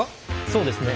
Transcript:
そうですね。